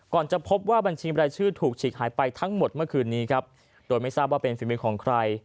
จะพบว่าบัญชีบรายชื่อถูกฉีกหายไปทั้งหมดเมื่อคืนนี้ครับโดยไม่ทราบว่าเป็นฝีมือของใคร